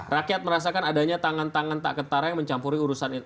rakyat merasakan adanya tangan tangan tak ketara yang mencampuri urusan